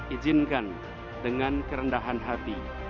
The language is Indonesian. ijinkan dengan kerendahan hati